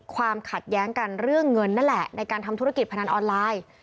ความขัดแย้งกันเรื่องเงินนั่นแหละในการทำธุรกิจพนันออนไลน์